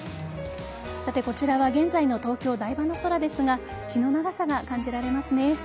さて、こちらは現在の東京・台場の空ですが日の長さが感じられますね。